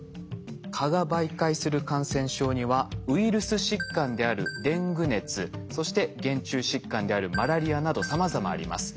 蚊が媒介する感染症にはウイルス疾患であるデング熱そして原虫疾患であるマラリアなどさまざまあります。